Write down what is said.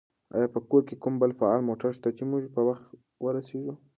آیا په کور کې کوم بل فعال موټر شته چې موږ په وخت ورسېږو؟